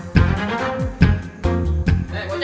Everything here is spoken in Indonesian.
sampai jumpa lagi